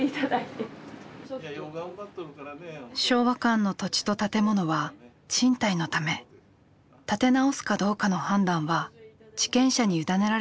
昭和館の土地と建物は賃貸のため建て直すかどうかの判断は地権者に委ねられていました。